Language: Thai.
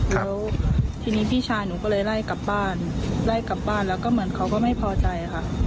แล้วทีนี้พี่ชายหนูก็เลยไล่กลับบ้านไล่กลับบ้านแล้วก็เหมือนเขาก็ไม่พอใจค่ะ